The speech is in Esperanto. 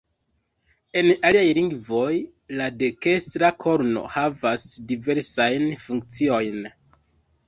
En aliaj lingvoj la dekstra korno havas diversajn funkciojn.